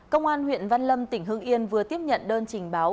công an huyện văn lâm tỉnh hưng yên vừa tiếp nhận đơn trình báo